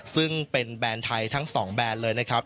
ซึ่งเป็นแบรนด์ไทยทั้ง๒แบรนด์เลยนะครับ